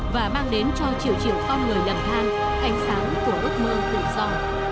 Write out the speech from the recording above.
và mang đến cho triệu triệu con người lầm than ánh sáng của ước mơ tự do